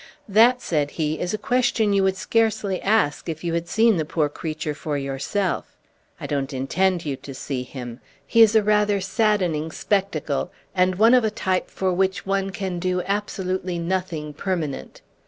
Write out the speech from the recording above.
"That," said he, "is a question you would scarcely ask if you had seen the poor creature for yourself. I don't intend you to see him; he is a rather saddening spectacle, and one of a type for which one can do absolutely nothing permanent.